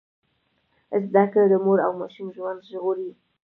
زده کړه د مور او ماشوم ژوند ژغوري۔